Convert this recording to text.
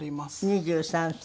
２３歳。